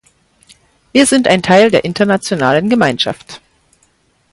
Wir sind ein Teil der internationalen Gemeinschaft.